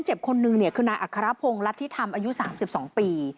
คนนึงเนี่ยคือนายอัครพงศ์รัฐธิธรรมอายุ๓๒ปี